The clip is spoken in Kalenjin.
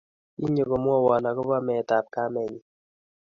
kinyo komwowo akobo meet ab kamenyi